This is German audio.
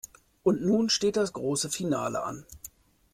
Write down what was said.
Und nun steht das große Finale an.